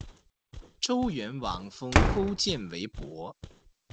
周元王封勾践为伯。